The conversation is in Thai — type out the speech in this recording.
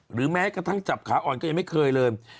แม้กระทั่งจับขาอ่อนก็ยังไม่เคยเลย